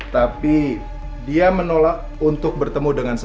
tapi dia menolak untuk bertemu dengan saya